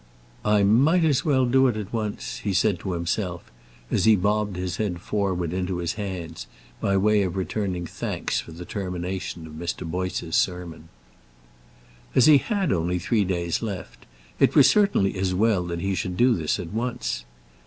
"I might as well do it at once," he said to himself, as he bobbed his head forward into his hands by way of returning thanks for the termination of Mr. Boyce's sermon. As he had only three days left, it was certainly as well that he should do this at once.